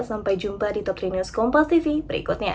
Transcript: sampai jumpa di top tiga news kompas tv berikutnya